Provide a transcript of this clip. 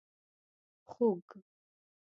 🐖 خوګ